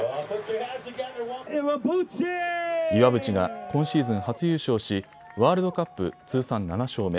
岩渕が今シーズン初優勝しワールドカップ、通算７勝目。